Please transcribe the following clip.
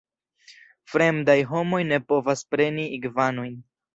Fremdaj homoj ne povas preni igvanojn.